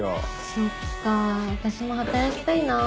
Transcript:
そっか私も働きたいな。